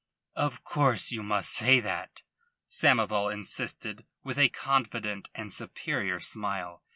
"Of course you must say that," Samoval insisted, with a confident and superior smile.